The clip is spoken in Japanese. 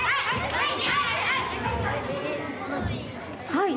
はい。